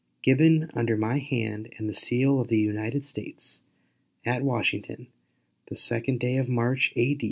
Given under my hand and the seal of the United States, at Washington, the 8th day of April, A.